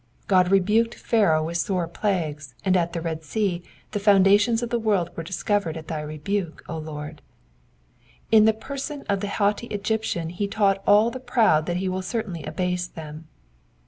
God rebuked Pharaoh with sore plagues, and at the Red Sea the founda tions of the world were discovered at thy rebuke, O Lord.'* In the person •f the haughty Egyptian he taught all the proud that he will certainly abase them.